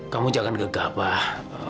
kamu jangan gegak pak